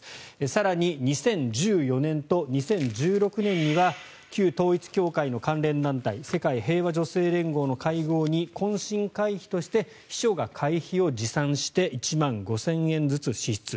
更に２０１４年と２０１６年には旧統一教会の関連団体世界平和女性連合の会合に懇親会費として秘書が会費を持参して１万５０００円ずつ支出。